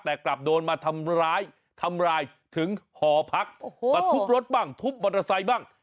แต่กลับโดนมาทำร้ายทำร้ายถึงหอพักมาทุบรถบ้างทุบมอเตอร์ไซค์บ้าง